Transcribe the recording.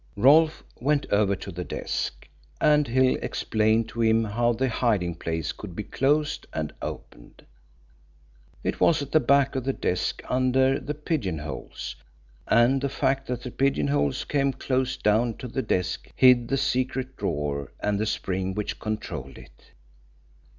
Rolfe went over to the desk, and Hill explained to him how the hiding place could be closed and opened. It was at the back of the desk under the pigeonholes, and the fact that the pigeonholes came close down to the desk hid the secret drawer and the spring which controlled it.